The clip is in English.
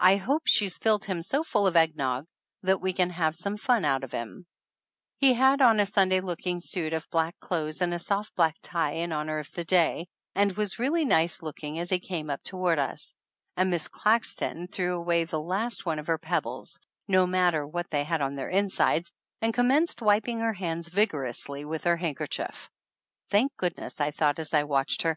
"I hope she's filled him so full of egg nog that we can have some fun out of him !" He had on a Sunday looking suit of black clothes and a soft black tie in honor of the day, and was really nice looking as he came up to ward us. And Miss Claxton threw away the last one of her pebbles, no matter what they 210 THE ANNALS OF ANN had on their insides, and commenced wiping her hands vigorously with her handkerchief. "Thank goodness!" I thought as I watched her.